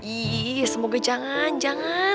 ih semoga jangan jangan